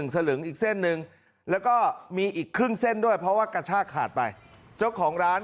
สลึงอีกเส้นหนึ่งแล้วก็มีอีกครึ่งเส้นด้วยเพราะว่ากระชากขาดไปเจ้าของร้าน